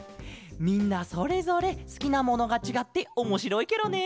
みんなそれぞれすきなものがちがっておもしろいケロね。